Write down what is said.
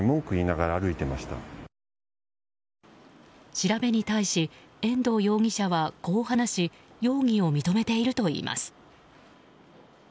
調べに対し遠藤容疑者はこう話し容疑を認めているといいます。